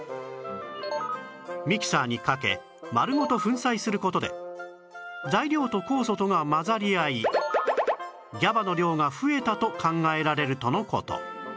ミキサーにかけ丸ごと粉砕する事で材料と酵素とが混ざり合い ＧＡＢＡ の量が増えたと考えられるとの事